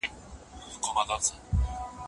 که باران وشي نو چمن به شین شي.